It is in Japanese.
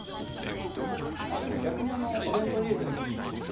でも逆にお弁当に入れてもおいしいですね